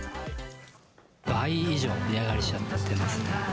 倍以上、値上がりしちゃってますね。